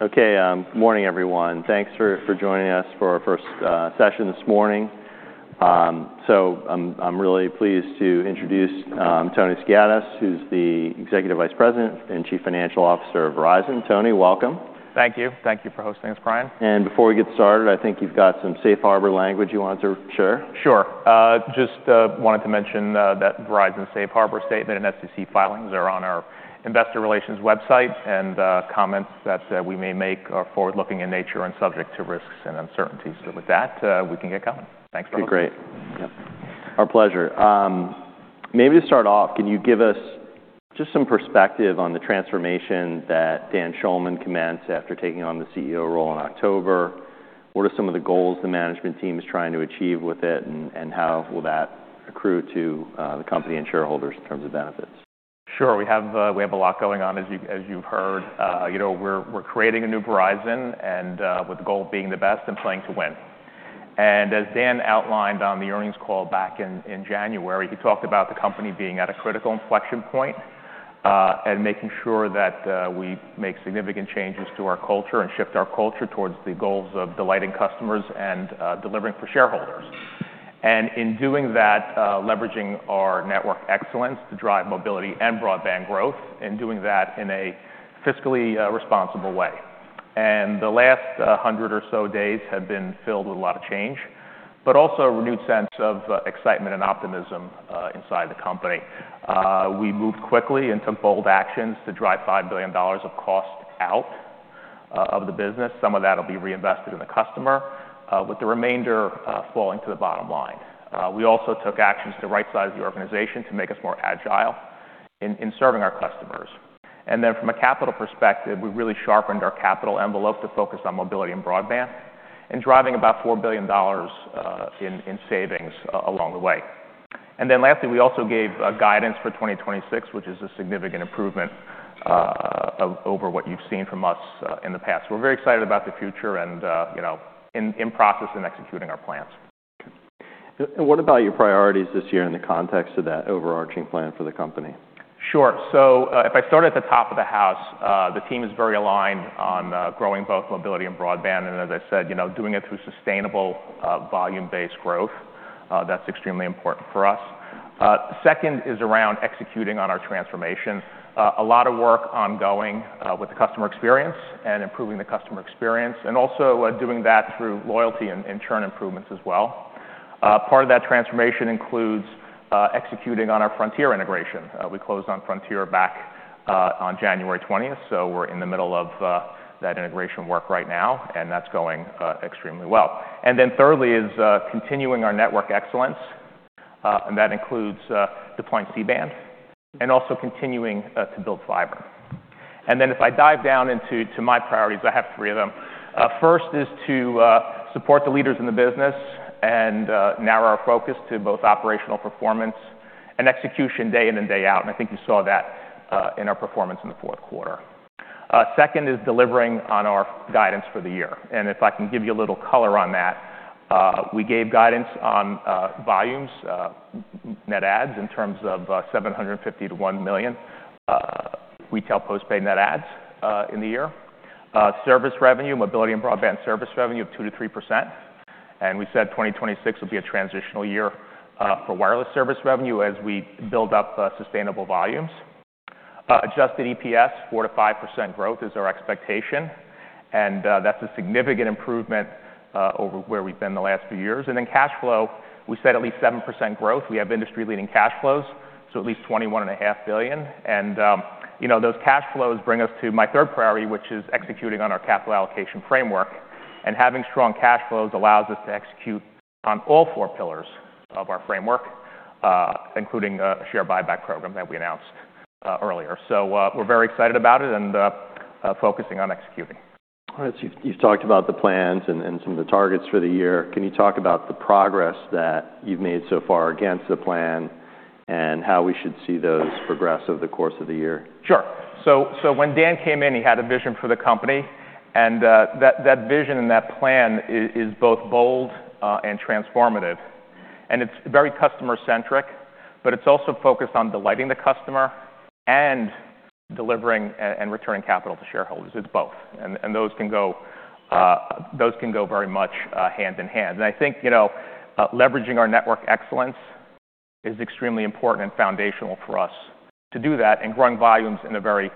Okay. Good morning, everyone. Thanks for joining us for our first session this morning. I'm really pleased to introduce Tony Skiadas, who's the Executive Vice President and Chief Financial Officer of Verizon. Tony, welcome. Thank you. Thank you for hosting us, Bryan. Before we get started, I think you've got some safe harbor language you want to share. Sure. Just wanted to mention that Verizon safe harbor statement and SEC filings are on our investor relations website, and comments that we may make are forward-looking in nature and subject to risks and uncertainties. With that, we can get going. Thanks for hosting. That'd be great. Yep. Our pleasure. Maybe to start off, can you give us just some perspective on the transformation that Dan Schulman commenced after taking on the CEO role in October? What are some of the goals the management team is trying to achieve with it, and how will that accrue to the company and shareholders in terms of benefits? Sure. We have a lot going on, as you've heard. You know, we're creating a new Verizon and with the goal of being the best and playing to win. As Dan outlined on the earnings call back in January, he talked about the company being at a critical inflection point and making sure that we make significant changes to our culture and shift our culture towards the goals of delighting customers and delivering for shareholders. In doing that, leveraging our network excellence to drive mobility and broadband growth, and doing that in a fiscally responsible way. The last hundred or so days have been filled with a lot of change, but also a renewed sense of excitement and optimism inside the company. We moved quickly into bold actions to drive $5 billion of cost out of the business. Some of that will be reinvested in the customer, with the remainder flowing to the bottom line. We also took actions to rightsize the organization to make us more agile in serving our customers. From a capital perspective, we really sharpened our capital envelope to focus on mobility and broadband and driving about $4 billion in savings along the way. Lastly, we also gave guidance for 2026, which is a significant improvement over what you've seen from us in the past. We're very excited about the future and, you know, in process of executing our plans. What about your priorities this year in the context of that overarching plan for the company? Sure. If I start at the top of the house, the team is very aligned on growing both mobility and broadband, and as I said, you know, doing it through sustainable, volume-based growth. That's extremely important for us. Second is around executing on our transformation. A lot of work ongoing with the customer experience and improving the customer experience, and also doing that through loyalty and churn improvements as well. Part of that transformation includes executing on our Frontier integration. We closed on Frontier back on January 12th, so we're in the middle of that integration work right now, and that's going extremely well. Thirdly is continuing our network excellence, and that includes deploying C-Band and also continuing to build fiber. If I dive down into my priorities, I have three of them. First is to support the leaders in the business and narrow our focus to both operational performance and execution day in and day out. I think you saw that in our performance in the fourth quarter. Second is delivering on our guidance for the year. If I can give you a little color on that, we gave guidance on volumes, net adds in terms of 750,000-1 million retail postpaid net adds in the year. Service revenue, mobility and broadband service revenue of 2%-3%. We said 2026 will be a transitional year for wireless service revenue as we build up sustainable volumes. Adjusted EPS 4%-5% growth is our expectation, and that's a significant improvement over where we've been the last few years. Cash flow, we said at least 7% growth. We have industry-leading cash flows, so at least $21.5 billion. You know, those cash flows bring us to my third priority, which is executing on our capital allocation framework. Having strong cash flows allows us to execute on all four pillars of our framework, including a share buyback program that we announced earlier. We're very excited about it and focusing on executing. All right. You've talked about the plans and some of the targets for the year. Can you talk about the progress that you've made so far against the plan and how we should see those progress over the course of the year? Sure. When Dan came in, he had a vision for the company, and that vision and that plan is both bold and transformative. It's very customer-centric, but it's also focused on delighting the customer and delivering and returning capital to shareholders. It's both. Those can go very much hand in hand. I think you know, leveraging our network excellence is extremely important and foundational for us to do that and growing volumes in a very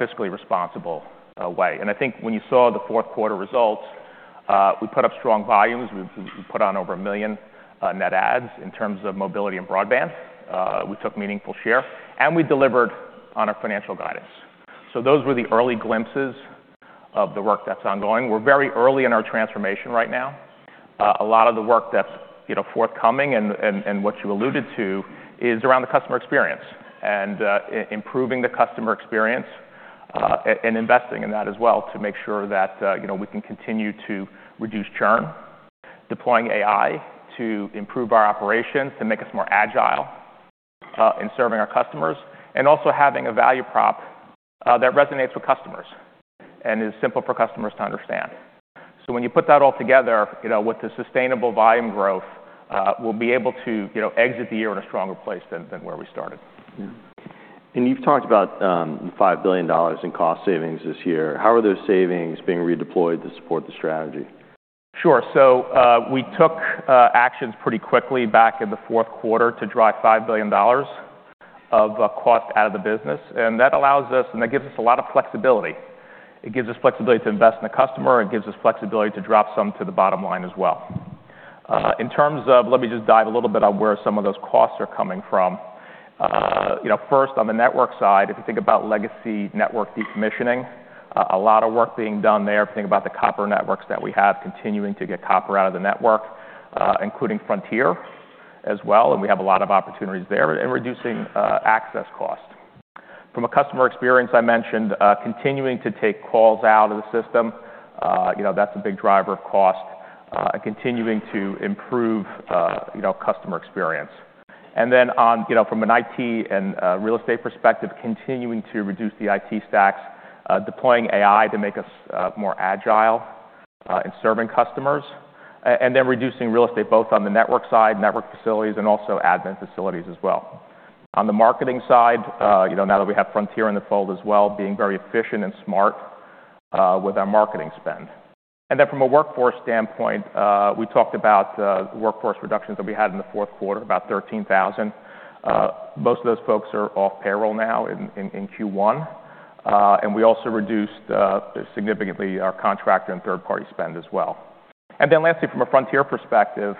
fiscally responsible way. I think when you saw the fourth quarter results, we put up strong volumes, we put on over 1 million net adds in terms of mobility and broadband, we took meaningful share, and we delivered on our financial guidance. Those were the early glimpses of the work that's ongoing. We're very early in our transformation right now. A lot of the work that's, you know, forthcoming and what you alluded to is around the customer experience and improving the customer experience and investing in that as well to make sure that, you know, we can continue to reduce churn, deploying AI to improve our operations, to make us more agile in serving our customers, and also having a value prop that resonates with customers and is simple for customers to understand. When you put that all together, you know, with the sustainable volume growth, we'll be able to, you know, exit the year in a stronger place than where we started. Yeah. You've talked about the $5 billion in cost savings this year. How are those savings being redeployed to support the strategy? Sure. We took actions pretty quickly back in the fourth quarter to drive $5 billion of cost out of the business, and that gives us a lot of flexibility. It gives us flexibility to invest in the customer, it gives us flexibility to drop some to the bottom line as well. In terms of, let me just dive a little bit on where some of those costs are coming from. You know, first, on the network side, if you think about legacy network decommissioning, a lot of work being done there. If you think about the copper networks that we have, continuing to get copper out of the network, including Frontier as well, and we have a lot of opportunities there in reducing access costs. From a customer experience I mentioned, continuing to take calls out of the system, you know, that's a big driver of cost, continuing to improve, you know, customer experience. Then on, you know, from an IT and real estate perspective, continuing to reduce the IT stacks, deploying AI to make us more agile in serving customers, and then reducing real estate both on the network side, network facilities, and also admin facilities as well. On the marketing side, you know, now that we have Frontier in the fold as well, being very efficient and smart with our marketing spend. Then from a workforce standpoint, we talked about the workforce reductions that we had in the fourth quarter, about 13,000. Most of those folks are off payroll now in Q1. We also reduced significantly our contract and third-party spend as well. Then lastly, from a Frontier perspective,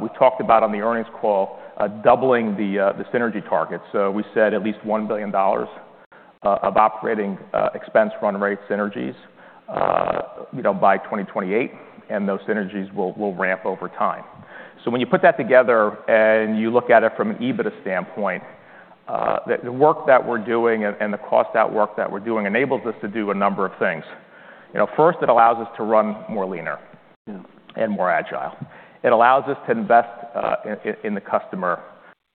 we talked about on the earnings call doubling the synergy target. We said at least $1 billion of operating expense run rate synergies, you know, by 2028, and those synergies will ramp over time. When you put that together and you look at it from an EBITDA standpoint, the work that we're doing and the cost out work that we're doing enables us to do a number of things. You know, first, it allows us to run more leaner and more agile. It allows us to invest in the customer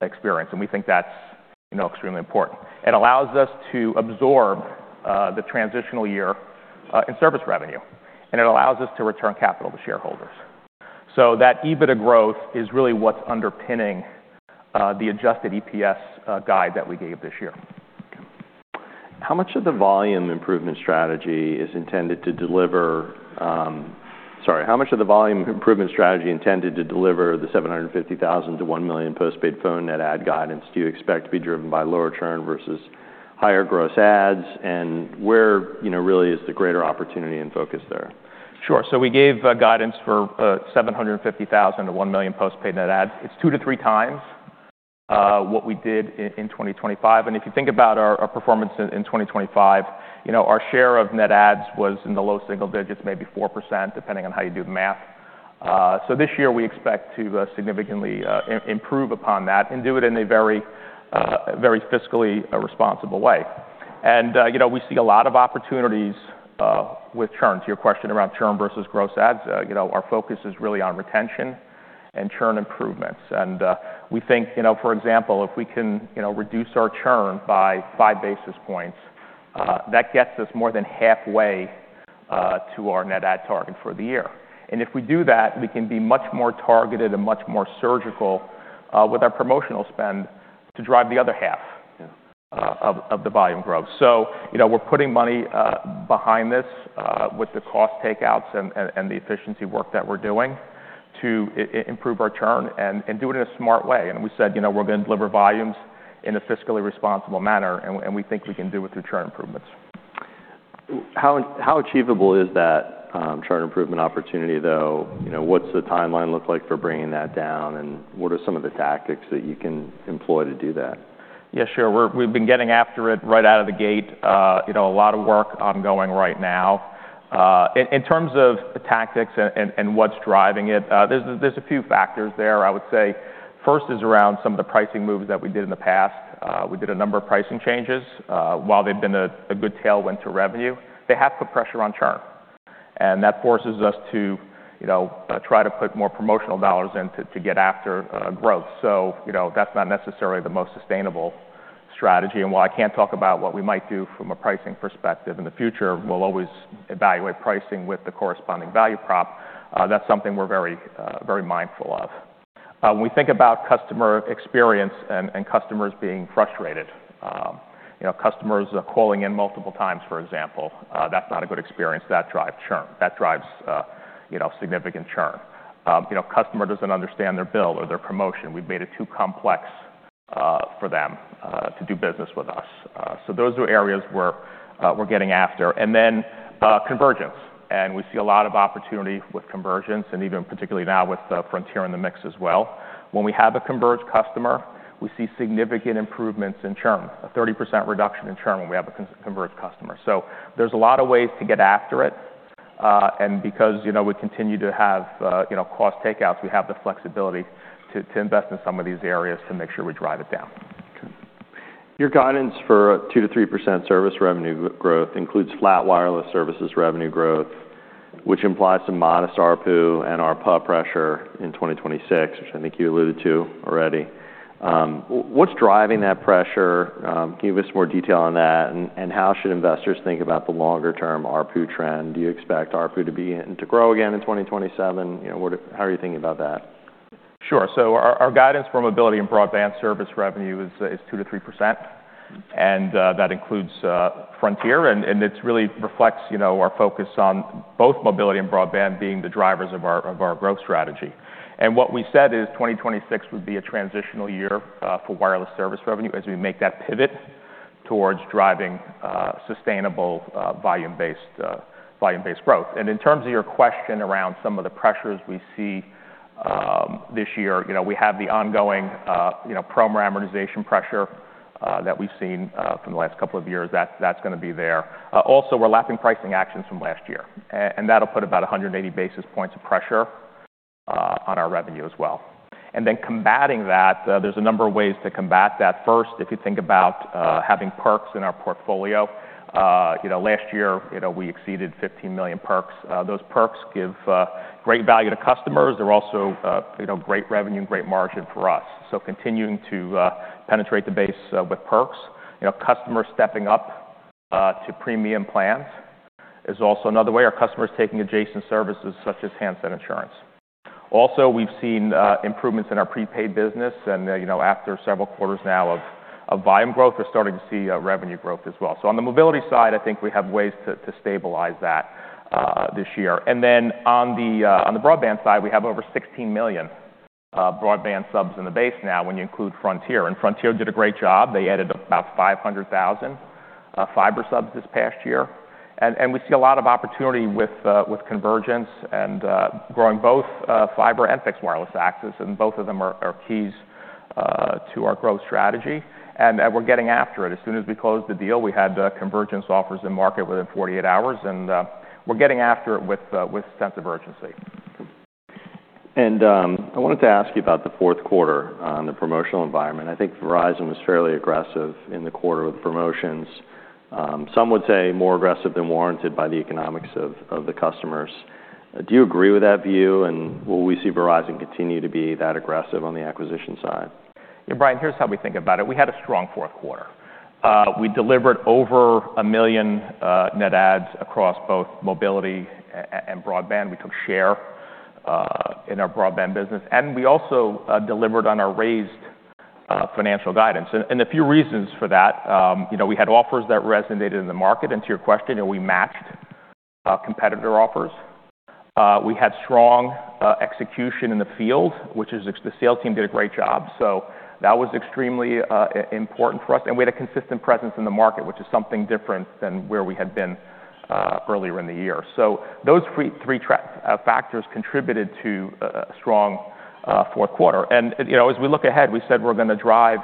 experience, and we think that's, you know, extremely important. It allows us to absorb the transitional year in service revenue, and it allows us to return capital to shareholders. That EBITDA growth is really what's underpinning the adjusted EPS guide that we gave this year. How much of the volume improvement strategy is intended to deliver the 750,000-1 million postpaid phone net add guidance do you expect to be driven by lower churn versus higher gross adds? Where, you know, really is the greater opportunity and focus there? Sure. We gave guidance for 750,000-1 million postpaid net adds. It's two to three times what we did in 2025. If you think about our performance in 2025, you know, our share of net adds was in the low single digits, maybe 4%, depending on how you do the math. This year we expect to significantly improve upon that and do it in a very fiscally responsible way. You know, we see a lot of opportunities with churn. To your question around churn versus gross adds, you know, our focus is really on retention and churn improvements. We think, you know, for example, if we can, you know, reduce our churn by 5 basis points, that gets us more than halfway to our net add target for the year. If we do that, we can be much more targeted and much more surgical with our promotional spend to drive the other half of the volume growth. You know, we're putting money behind this, with the cost takeouts and the efficiency work that we're doing to improve our churn and do it in a smart way. We said, you know, we're going to deliver volumes in a fiscally responsible manner, and we think we can do it through churn improvements. How achievable is that churn improvement opportunity, though? You know, what's the timeline look like for bringing that down, and what are some of the tactics that you can employ to do that? Yeah, sure. We've been getting after it right out of the gate. You know, a lot of work ongoing right now. In terms of the tactics and what's driving it, there's a few factors there. I would say first is around some of the pricing moves that we did in the past. We did a number of pricing changes. While they've been a good tailwind to revenue, they have put pressure on churn, and that forces us to, you know, try to put more promotional dollars in to get after growth. So, you know, that's not necessarily the most sustainable strategy. While I can't talk about what we might do from a pricing perspective in the future, we'll always evaluate pricing with the corresponding value prop. That's something we're very mindful of. When we think about customer experience and customers being frustrated, you know, customers calling in multiple times, for example, that's not a good experience. That drives churn. That drives significant churn. Customer doesn't understand their bill or their promotion. We've made it too complex for them to do business with us. Those are areas we're getting after. Convergence, and we see a lot of opportunity with convergence, and even particularly now with Frontier in the mix as well. When we have a converged customer, we see significant improvements in churn, a 30% reduction in churn when we have a converged customer. There's a lot of ways to get after it. Because, you know, we continue to have, you know, cost takeouts, we have the flexibility to invest in some of these areas to make sure we drive it down. Okay. Your guidance for 2%-3% service revenue growth includes flat wireless services revenue growth, which implies some modest ARPU and ARPA pressure in 2026, which I think you alluded to already. What's driving that pressure? Can you give us more detail on that? How should investors think about the longer-term ARPU trend? Do you expect ARPU to grow again in 2027? You know, how are you thinking about that? Sure. Our guidance for mobility and broadband service revenue is 2%-3%, and that includes Frontier. It really reflects, you know, our focus on both mobility and broadband being the drivers of our growth strategy. What we said is 2026 would be a transitional year for wireless service revenue as we make that pivot towards driving sustainable volume-based growth. In terms of your question around some of the pressures we see this year, you know, we have the ongoing, you know, promo amortization pressure that we've seen from the last couple of years. That's gonna be there. Also, we're lapping pricing actions from last year, and that'll put about 180 basis points of pressure on our revenue as well. Combating that, there's a number of ways to combat that. First, if you think about having perks in our portfolio, you know, last year, you know, we exceeded 15 million perks. Those perks give great value to customers. They're also, you know, great revenue and great margin for us. Continuing to penetrate the base with perks. You know, customers stepping up to premium plans is also another way. Our customers taking adjacent services such as handset insurance. Also, we've seen improvements in our prepaid business and, you know, after several quarters now of volume growth, we're starting to see revenue growth as well. On the mobility side, I think we have ways to stabilize that this year. On the broadband side, we have over 16 million broadband subs in the base now when you include Frontier. Frontier did a great job. They added about 500,000 fiber subs this past year. We see a lot of opportunity with convergence and growing both fiber and Fixed Wireless Access, and both of them are keys to our growth strategy. We're getting after it. As soon as we closed the deal, we had convergence offers in market within 48 hours, and we're getting after it with a sense of urgency. I wanted to ask you about the fourth quarter, the promotional environment. I think Verizon was fairly aggressive in the quarter with promotions. Some would say more aggressive than warranted by the economics of the customers. Do you agree with that view, and will we see Verizon continue to be that aggressive on the acquisition side? Yeah, Bryan, here's how we think about it. We had a strong fourth quarter. We delivered over 1 million net adds across both mobility and broadband. We took share in our broadband business. We also delivered on our raised financial guidance. A few reasons for that, you know, we had offers that resonated in the market. To your question, you know, we matched competitor offers. We had strong execution in the field, the sales team did a great job, so that was extremely important for us. We had a consistent presence in the market, which is something different than where we had been earlier in the year. Those three factors contributed to a strong fourth quarter. You know, as we look ahead, we said we're gonna drive,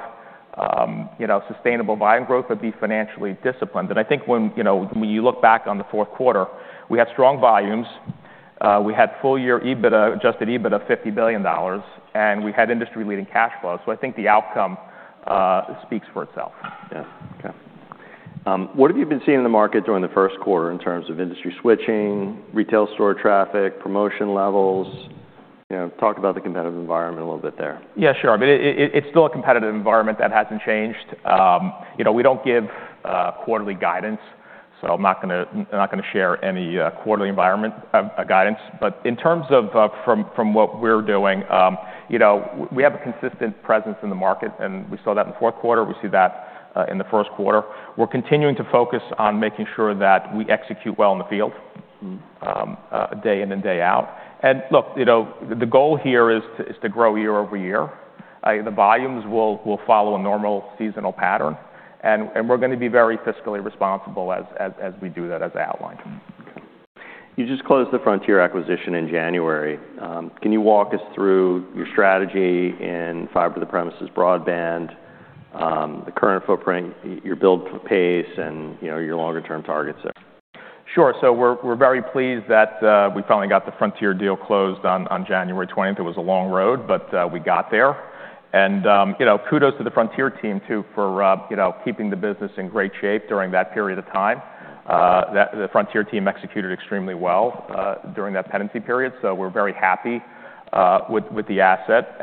you know, sustainable volume growth but be financially disciplined. I think when, you know, when you look back on the fourth quarter, we had strong volumes, we had full year EBITDA, Adjusted EBITDA of $50 billion, and we had industry-leading cash flow. I think the outcome speaks for itself. Yeah. Okay. What have you been seeing in the market during the first quarter in terms of industry switching, retail store traffic, promotion levels? You know, talk about the competitive environment a little bit there. Yeah, sure. I mean, it's still a competitive environment. That hasn't changed. You know, we don't give quarterly guidance, so I'm not gonna share any quarterly guidance. In terms of from what we're doing, you know, we have a consistent presence in the market, and we saw that in the fourth quarter, we see that in the first quarter. We're continuing to focus on making sure that we execute well in the field. Mm-hmm Day in and day out. Look, you know, the goal here is to grow year-over-year. The volumes will follow a normal seasonal pattern. We're gonna be very fiscally responsible as we do that as outlined. Okay. You just closed the Frontier acquisition in January. Can you walk us through your strategy in fiber to premises broadband, the current footprint, your build pace and, you know, your longer-term targets there? Sure. So we're very pleased that we finally got the Frontier deal closed on January 12th. It was a long road, but we got there. You know, kudos to the Frontier team too for you know, keeping the business in great shape during that period of time. The Frontier team executed extremely well during that pendency period, so we're very happy with the asset.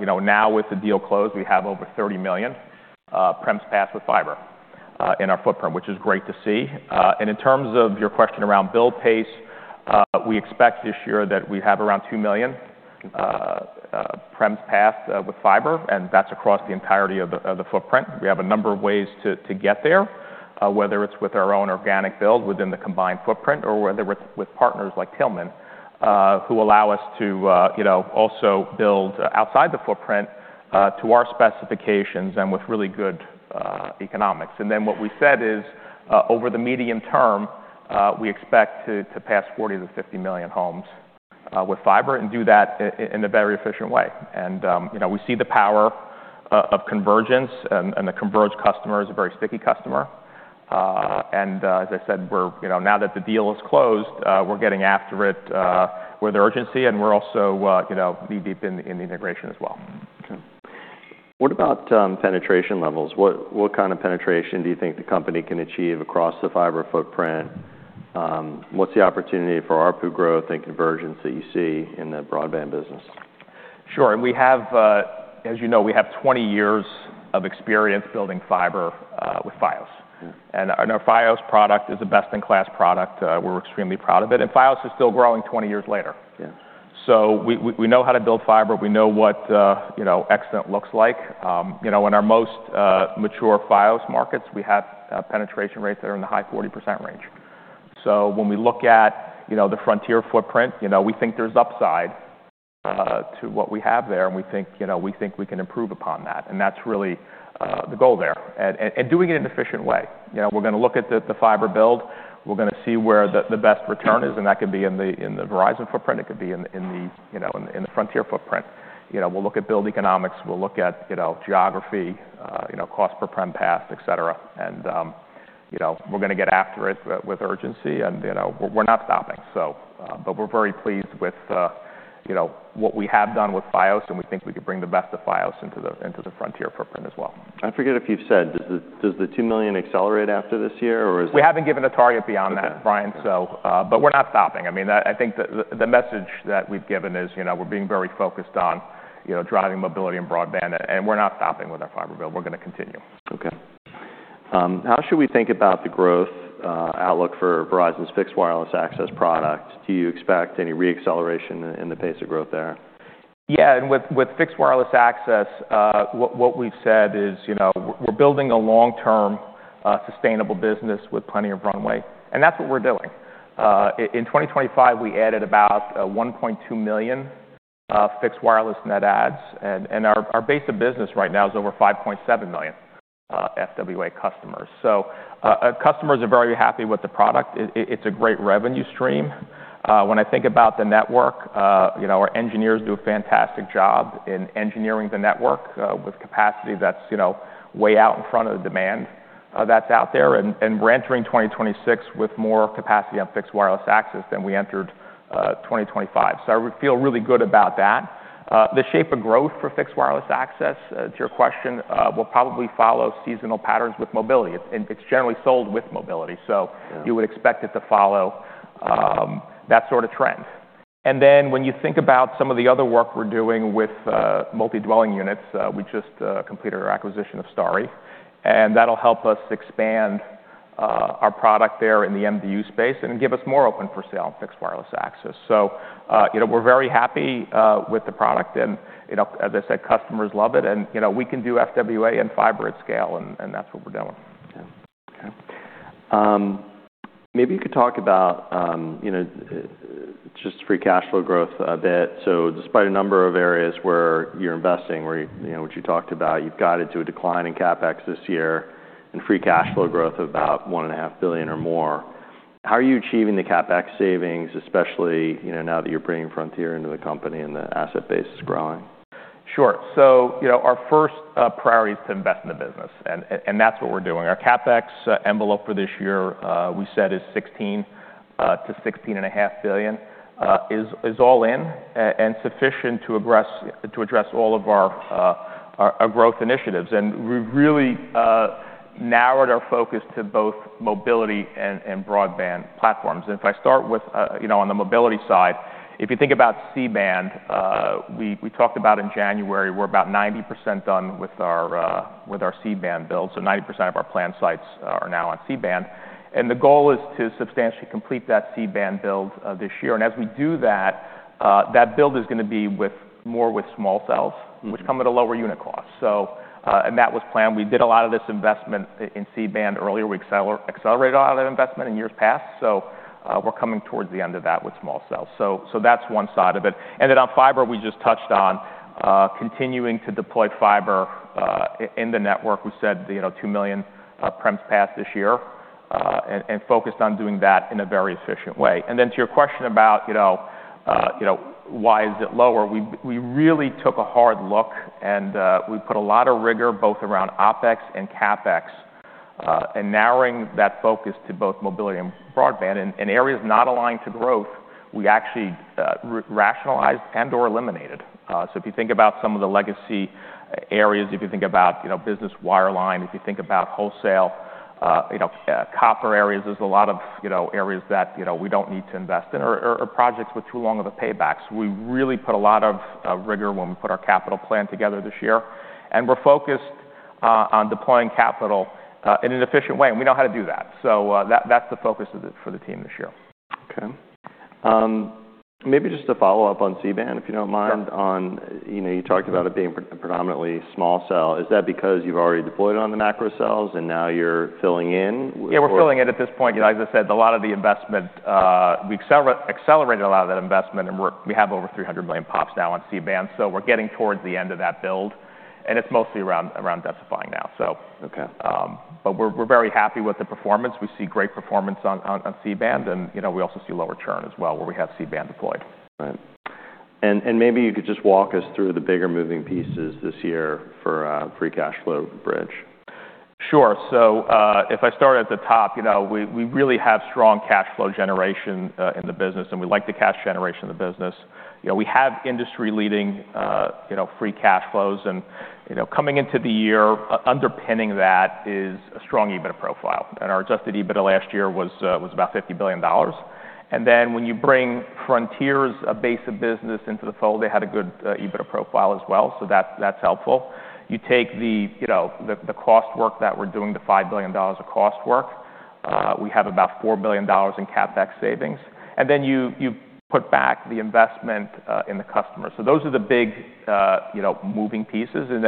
You know, now with the deal closed, we have over 30 million premises passed with fiber in our footprint, which is great to see. In terms of your question around build pace, we expect this year that we have around 2 million premises passed with fiber, and that's across the entirety of the footprint. We have a number of ways to get there, whether it's with our own organic build within the combined footprint or whether with partners like Tillman, who allow us to you know also build outside the footprint to our specifications and with really good economics. What we said is over the medium term we expect to pass 40 million-50 million homes with fiber and do that in a very efficient way. We see the power of convergence and the converged customer is a very sticky customer. As I said, we're you know now that the deal is closed we're getting after it with urgency and we're also you know knee-deep in the integration as well. Okay. What about penetration levels? What kind of penetration do you think the company can achieve across the fiber footprint? What's the opportunity for ARPU growth and conversions that you see in the broadband business? Sure. We have, as you know, we have 20 years of experience building fiber with Fios. Mm-hmm. Our Fios product is the best-in-class product. We're extremely proud of it. Fios is still growing 20 years later. Yeah. We know how to build fiber. We know what excellent looks like, you know. You know, in our most mature Fios markets, we have penetration rates that are in the high 40% range. When we look at the Frontier footprint, you know, we think there's upside to what we have there, and we think we can improve upon that, and that's really the goal there, doing it in an efficient way. You know, we're gonna look at the fiber build, we're gonna see where the best return is, and that could be in the Verizon footprint, it could be in the Frontier footprint. You know, we'll look at build economics, we'll look at, you know, geography, you know, cost per prem pass, et cetera. You know, we're gonna get after it with urgency, and, you know, we're not stopping. We're very pleased with, you know, what we have done with Fios, and we think we can bring the best of Fios into the Frontier footprint as well. I forget if you've said, does the 2 million accelerate after this year, or is it? We haven't given a target beyond that. Okay Bryan. We're not stopping. I mean, I think the message that we've given is, you know, we're being very focused on, you know, driving mobility and broadband, and we're not stopping with our fiber build. We're gonna continue. Okay. How should we think about the growth outlook for Verizon's Fixed Wireless Access product? Do you expect any re-acceleration in the pace of growth there? Yeah. With Fixed Wireless Access, what we've said is, you know, we're building a long-term sustainable business with plenty of runway, and that's what we're doing. In 2025, we added about 1.2 million fixed wireless net adds, and our base of business right now is over 5.7 million FWA customers. Customers are very happy with the product. It's a great revenue stream. When I think about the network, you know, our engineers do a fantastic job in engineering the network with capacity that's, you know, way out in front of the demand that's out there. We're entering 2026 with more capacity on Fixed Wireless Access than we entered 2025. I feel really good about that. The shape of growth for Fixed Wireless Access, to your question, will probably follow seasonal patterns with mobility. It's generally sold with mobility, so you would expect it to follow that sort of trend. Then when you think about some of the other work we're doing with multi-dwelling units, we just completed our acquisition of Starry, and that'll help us expand our product there in the MDU space and give us more open for sale on Fixed Wireless Access. You know, we're very happy with the product and, you know, as I said, customers love it and, you know, we can do FWA and fiber at scale and that's what we're doing. Okay. Maybe you could talk about, you know, just free cash flow growth a bit. Despite a number of areas where you're investing, where, you know, what you talked about, you've guided to a decline in CapEx this year and free cash flow growth of about $1.5 billion or more. How are you achieving the CapEx savings, especially, you know, now that you're bringing Frontier into the company and the asset base is growing? Sure. You know, our first priority is to invest in the business and that's what we're doing. Our CapEx envelope for this year, we said is $16 billion-$16.5 billion, is all in and sufficient to address all of our growth initiatives. We've really narrowed our focus to both mobility and broadband platforms. If I start with you know, on the mobility side, if you think about C-Band, we talked about in January, we're about 90% done with our C-Band build, so 90% of our planned sites are now on C-Band. The goal is to substantially complete that C-Band build this year. As we do that build is gonna be with more small cells which come at a lower unit cost. That was planned. We did a lot of this investment in C-Band earlier. We accelerated a lot of that investment in years past, so we're coming towards the end of that with small cells. That's one side of it. On fiber, we just touched on continuing to deploy fiber in the network. We said, you know, 2 million premises passed this year, and focused on doing that in a very efficient way. To your question about, you know, why is it lower? We really took a hard look and we put a lot of rigor both around OpEx and CapEx in narrowing that focus to both mobility and broadband. In areas not aligned to growth, we actually rationalized and/or eliminated. If you think about some of the legacy areas, if you think about, you know, business wireline, if you think about wholesale, you know, copper areas, there's a lot of, you know, areas that, you know, we don't need to invest in or projects with too long of a payback. We really put a lot of rigor when we put our capital plan together this year, and we're focused on deploying capital in an efficient way, and we know how to do that. That's the focus of it for the team this year. Okay. Maybe just to follow up on C-Band, if you don't mind. Sure. You know, you talked about it being predominantly small cell. Is that because you've already deployed on the macro cells and now you're filling in? Yeah, we're filling in at this point. You know, as I said, a lot of the investment, we accelerated a lot of that investment and we have over 300 million POPs now on C-Band, so we're getting towards the end of that build, and it's mostly around densifying now, so. Okay. We're very happy with the performance. We see great performance on C-Band and, you know, we also see lower churn as well where we have C-Band deployed. Right. Maybe you could just walk us through the bigger moving pieces this year for free cash flow bridge. Sure. If I start at the top, you know, we really have strong cash flow generation in the business, and we like the cash generation in the business. You know, we have industry-leading free cash flows. You know, coming into the year, underpinning that is a strong EBIT profile, and our Adjusted EBITT last year was about $50 billion. When you bring Frontier's base of business into the fold, they had a good EBIT profile as well, so that's helpful. You take the you know, the cost work that we're doing, the $5 billion of cost work. We have about $4 billion in CapEx savings. You put back the investment in the customer. Those are the big you know, moving pieces. In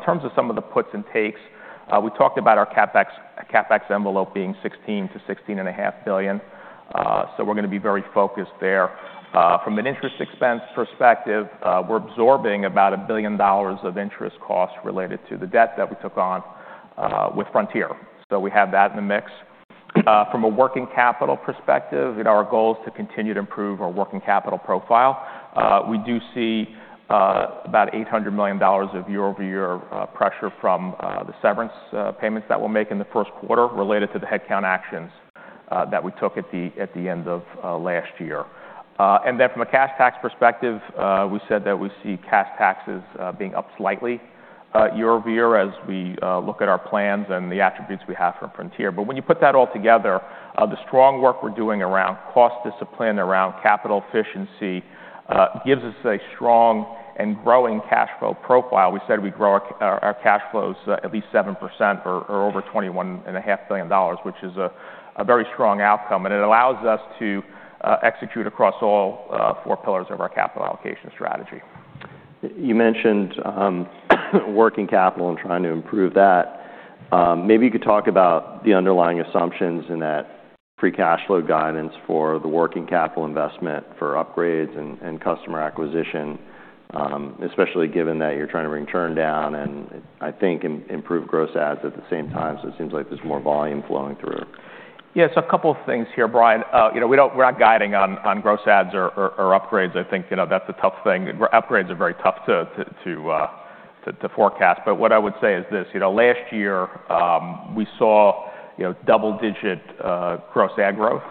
terms of some of the puts and takes, we talked about our CapEx envelope being $16 billion-$16.5 billion. So we're gonna be very focused there. From an interest expense perspective, we're absorbing about $1 billion of interest costs related to the debt that we took on with Frontier. So we have that in the mix. From a working capital perspective, you know, our goal is to continue to improve our working capital profile. We do see about $800 million of year-over-year pressure from the severance payments that we'll make in the first quarter related to the headcount actions that we took at the end of last year. From a cash tax perspective, we said that we see cash taxes being up slightly year-over-year as we look at our plans and the attributes we have from Frontier. When you put that all together, the strong work we're doing around cost discipline, around capital efficiency, gives us a strong and growing cash flow profile. We said we'd grow our cash flows at least 7% or over $21.5 billion, which is a very strong outcome. It allows us to execute across all four pillars of our capital allocation strategy. You mentioned working capital and trying to improve that. Maybe you could talk about the underlying assumptions in that free cash flow guidance for the working capital investment for upgrades and customer acquisition, especially given that you're trying to bring churn down and I think improve gross adds at the same time, so it seems like there's more volume flowing through. Yeah, a couple things here, Bryan. You know, we're not guiding on gross adds or upgrades. I think, you know, that's a tough thing. Upgrades are very tough to forecast. What I would say is this. You know, last year, we saw, you know, double-digit gross add growth.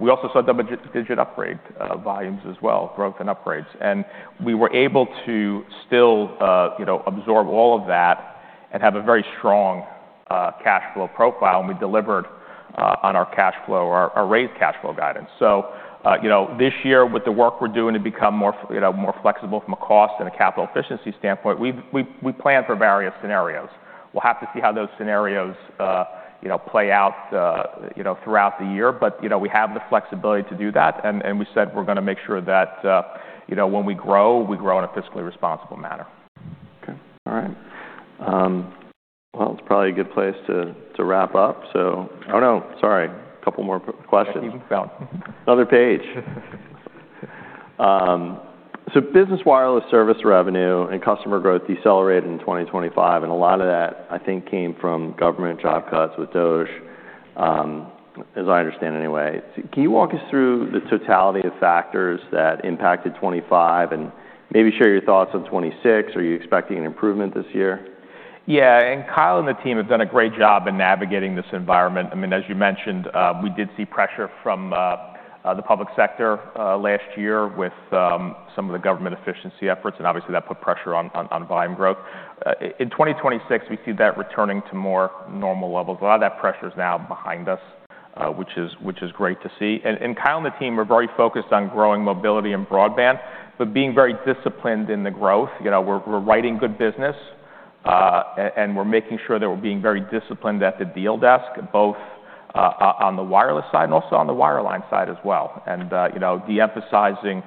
We also saw double-digit upgrade volumes as well, growth and upgrades. We were able to still, you know, absorb all of that and have a very strong cash flow profile, and we delivered on our cash flow or our raised cash flow guidance. This year with the work we're doing to become more flexible from a cost and a capital efficiency standpoint, we plan for various scenarios. We'll have to see how those scenarios, you know, play out, you know, throughout the year. You know, we have the flexibility to do that, and we said we're gonna make sure that, you know, when we grow, we grow in a fiscally responsible manner. Okay. All right. Well, it's probably a good place to wrap up. Oh, no, sorry. A couple more questions. Keep going. Another page. Business wireless service revenue and customer growth decelerated in 2025, and a lot of that, I think, came from government job cuts with DOGE, as I understand anyway. Can you walk us through the totality of factors that impacted 2025 and maybe share your thoughts on 2026? Are you expecting an improvement this year? Yeah. Kyle and the team have done a great job in navigating this environment. I mean, as you mentioned, we did see pressure from the public sector last year with some of the government efficiency efforts, and obviously that put pressure on volume growth. In 2026, we see that returning to more normal levels. A lot of that pressure is now behind us, which is great to see. Kyle and the team are very focused on growing mobility and broadband, but being very disciplined in the growth. You know, we're writing good business, and we're making sure that we're being very disciplined at the deal desk, both on the wireless side and also on the wireline side as well, and you know, de-emphasizing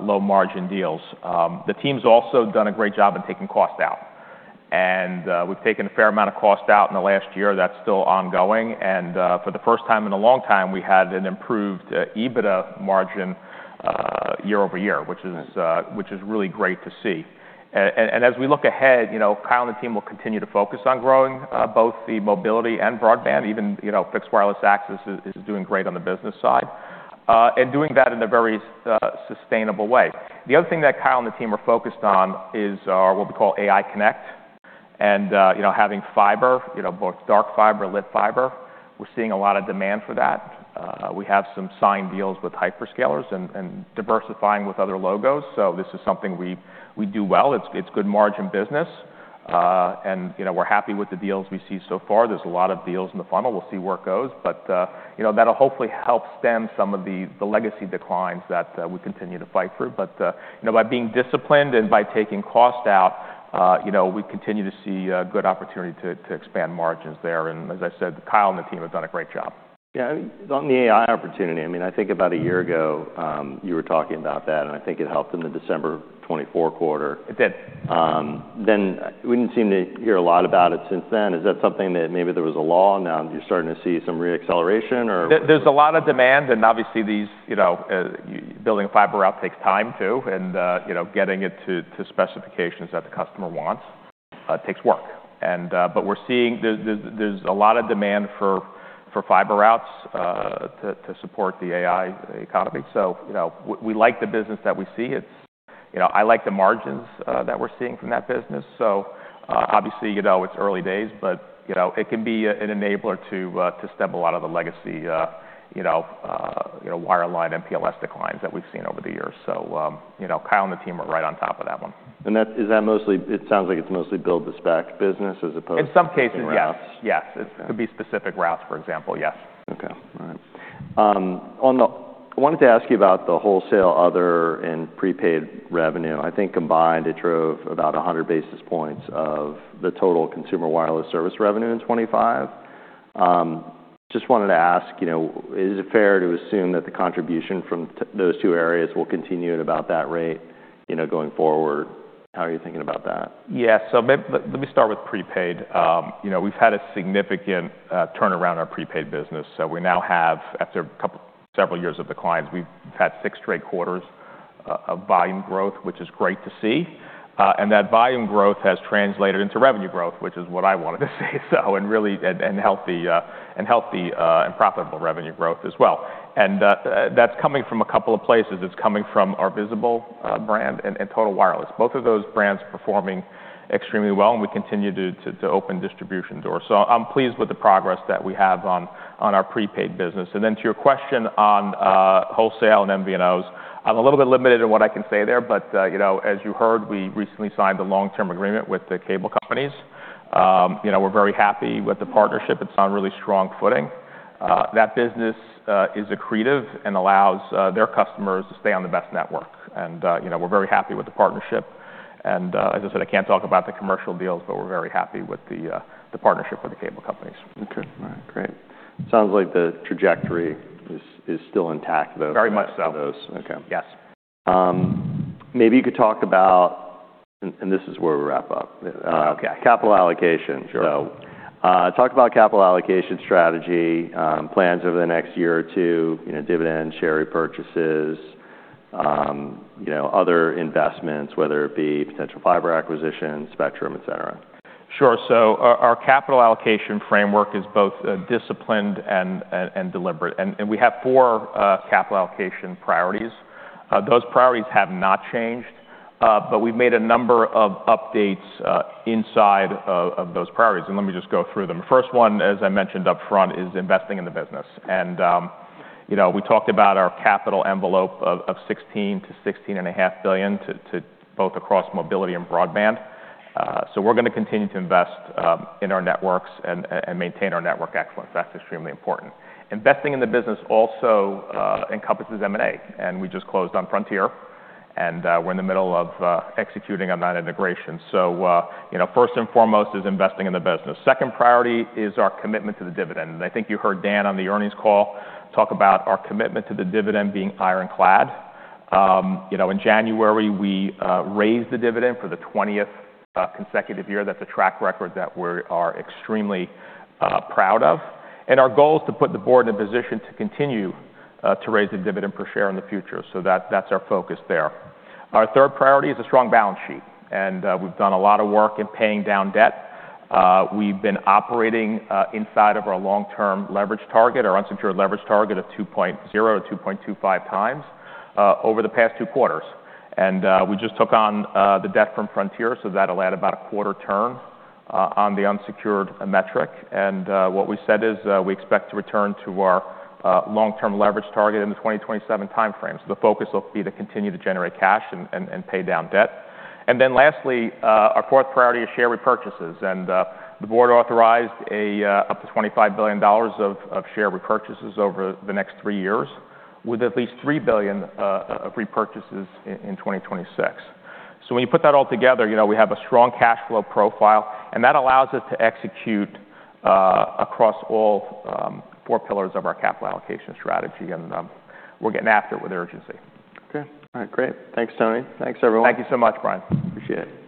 low-margin deals. The team's also done a great job in taking cost out. We've taken a fair amount of cost out in the last year. That's still ongoing. For the first time in a long time, we had an improved EBITDA margin year-over-year, which is really great to see. As we look ahead, you know, Kyle and the team will continue to focus on growing both the mobility and broadband. Even, you know, Fixed Wireless Access is doing great on the business side and doing that in a very sustainable way. The other thing that Kyle and the team are focused on is what we call AI Connect and, you know, having fiber, you know, both dark fiber, lit fiber. We're seeing a lot of demand for that. We have some signed deals with hyperscalers and diversifying with other logos. This is something we do well. It's good margin business. You know, we're happy with the deals we see so far. There's a lot of deals in the funnel. We'll see where it goes. You know, that'll hopefully help stem some of the legacy declines that we continue to fight through. You know, by being disciplined and by taking cost out, you know, we continue to see a good opportunity to expand margins there. As I said, Kyle and the team have done a great job. Yeah. On the AI opportunity, I mean, I think about a year ago, you were talking about that, and I think it helped in the December 2024 quarter. It did. We didn't seem to hear a lot about it since then. Is that something that maybe there was a lull, now you're starting to see some re-acceleration or? There's a lot of demand, and obviously these, you know, building a fiber route takes time too, and, you know, getting it to specifications that the customer wants, takes work. But we're seeing there's a lot of demand for fiber routes to support the AI economy. You know, we like the business that we see. It's. You know, I like the margins that we're seeing from that business. Obviously, you know, it's early days, but, you know, it can be an enabler to stem a lot of the legacy, you know, wireline MPLS declines that we've seen over the years. You know, Kyle and the team are right on top of that one. It sounds like it's mostly build-to-spec business as opposed to. In some cases, yes. Yes. Okay. It could be specific routes, for example. Yes. Okay. All right. I wanted to ask you about the wholesale other and prepaid revenue. I think combined, it drove about 100 basis points of the total consumer wireless service revenue in 2025. Just wanted to ask, you know, is it fair to assume that the contribution from those two areas will continue at about that rate, you know, going forward? How are you thinking about that? Yeah. Let me start with prepaid. You know, we've had a significant turnaround in our prepaid business. We now have, after several years of declines, we've had six straight quarters of volume growth, which is great to see. That volume growth has translated into revenue growth, which is what I wanted to say, and really healthy and profitable revenue growth as well. That's coming from a couple of places. It's coming from our Visible brand and Total Wireless. Both of those brands are performing extremely well, and we continue to open distribution doors. I'm pleased with the progress that we have on our prepaid business. To your question on wholesale and MVNOs, I'm a little bit limited in what I can say there, but you know, as you heard, we recently signed a long-term agreement with the cable companies. You know, we're very happy with the partnership. It's on really strong footing. That business is accretive and allows their customers to stay on the best network. You know, we're very happy with the partnership. As I said, I can't talk about the commercial deals, but we're very happy with the partnership with the cable companies. Okay. All right. Great. Sounds like the trajectory is still intact, though for those Very much so. Okay. Yes. Maybe you could talk about, and this is where we wrap up. Oh, okay. Capital allocation. Sure. Talk about capital allocation strategy, plans over the next year or two, you know, dividend, share repurchases, you know, other investments, whether it be potential fiber acquisition, spectrum, et cetera. Sure. So our capital allocation framework is both, disciplined and deliberate. We have four capital allocation priorities. Those priorities have not changed, but we've made a number of updates inside of those priorities. Let me just go through them. The first one, as I mentioned upfront, is investing in the business. You know, we talked about our capital envelope of $16 billion-$16.5 billion to both across mobility and broadband. So we're gonna continue to invest in our networks and maintain our network excellence. That's extremely important. Investing in the business also encompasses M&A, and we just closed on Frontier, and we're in the middle of executing on that integration. You know, first and foremost is investing in the business. Second priority is our commitment to the dividend. I think you heard Dan on the earnings call talk about our commitment to the dividend being ironclad. You know, in January, we raised the dividend for the 20th consecutive year. That's a track record that we are extremely proud of. Our goal is to put the board in a position to continue to raise the dividend per share in the future. That, that's our focus there. Our third priority is a strong balance sheet, and we've done a lot of work in paying down debt. We've been operating inside of our long-term leverage target, our unsecured leverage target of 2.0x-2.25x over the past two quarters. We just took on the debt from Frontier, so that'll add about a quarter turn on the unsecured metric. What we said is we expect to return to our long-term leverage target in the 2020-2027 timeframe. The focus will be to continue to generate cash and pay down debt. Lastly, our fourth priority is share repurchases. The board authorized up to $25 billion of share repurchases over the next three years, with at least $3 billion of repurchases in 2026. When you put that all together, you know, we have a strong cash flow profile, and that allows us to execute across all four pillars of our capital allocation strategy. We're getting after it with urgency. Okay. All right. Great. Thanks, Tony. Thanks, everyone. Thank you so much, Bryan. Appreciate it.